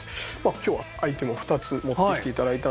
今日はアイテムを２つ持ってきて頂いたんですけども。